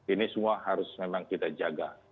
ini semua harus memang kita jaga